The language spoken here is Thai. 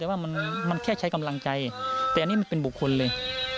แต่ว่ามันแค่ใช้กำลังใจแต่อันนี้มันเป็นบุคคลเลย